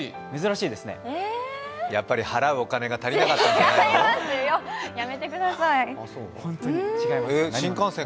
やっぱり払うお金が足りなかったんじゃないの？